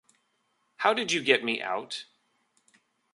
How did you get me out?